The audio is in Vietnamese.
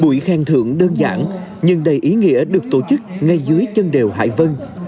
buổi khen thưởng đơn giản nhưng đầy ý nghĩa được tổ chức ngay dưới chân đèo hải vân